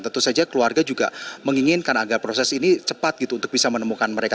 tentu saja keluarga juga menginginkan agar proses ini cepat gitu untuk bisa menemukan mereka